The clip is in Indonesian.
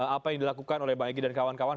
apa yang dilakukan oleh bang egy dan kawan kawan